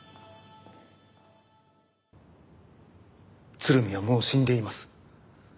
鶴見はもう死んでいます。